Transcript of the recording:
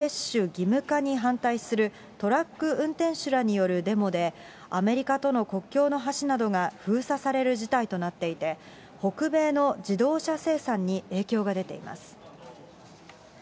カナダでは、新型コロナウイルスワクチンの接種義務化に反対するトラック運転手らによるデモで、アメリカとの国境の橋などが封鎖される事態となっていて、北米の自動車生産に影響が出ています。